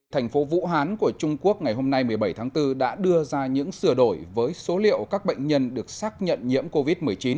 thành phố vũ hán của trung quốc ngày hôm nay một mươi bảy tháng bốn đã đưa ra những sửa đổi với số liệu các bệnh nhân được xác nhận nhiễm covid một mươi chín